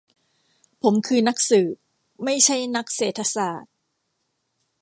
ผมคือนักสืบ ไม่ใช่นักเศรษฐศาสตร์